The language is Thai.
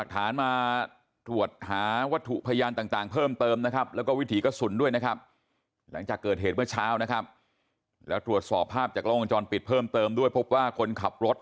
แต่ตลอดเหรอเออระวังตัวไว้ดีนะ